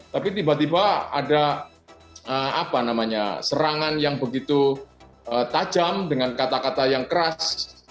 tapi tiba tiba ada serangan yang begitu tajam dengan kata kata yang keras